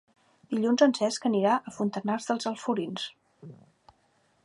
Dilluns en Cesc irà a Fontanars dels Alforins.